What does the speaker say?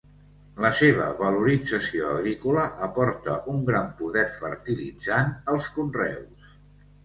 La seva valorització agrícola aporta un gran poder fertilitzant els conreus.